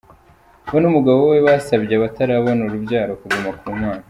We n’umugabo we basabye abatarabona urubyaro kuguma ku Mana.